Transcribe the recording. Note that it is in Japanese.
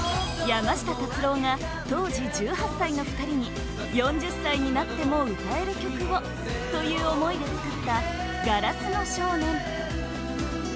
山下達郎が当時１８歳の２人に４０歳になっても歌える曲をという思いで作った「硝子の少年」